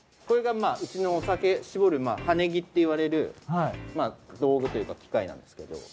これがうちのお酒搾るハネ木っていわれる道具というか機械なんですけど。